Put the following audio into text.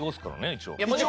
一応。